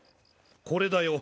これだよ。